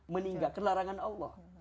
meninggalkan larangan allah